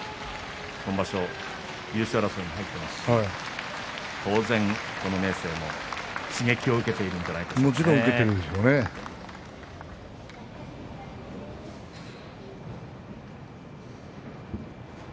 今場所、優勝争いをしていますし当然この明生も刺激を受けているんじゃないかと思います。